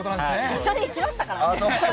一緒に行きましたからね。